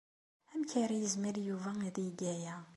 Amek ara yezmer Yuba ad yeg aya?